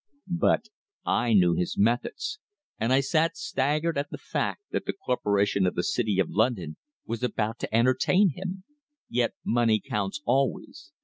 But I knew his methods, and I sat staggered at the fact that the Corporation of the City of London were about to entertain him. Yet money counts always.